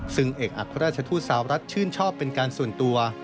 ซึ่งเอกอัครราชทูตสาวรัฐชื่นชอบเป็นการส่วนตัว